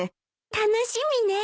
楽しみね。